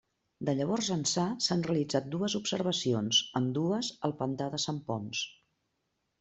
De llavors ençà s'han realitzat dues observacions, ambdues al pantà de Sant Ponç.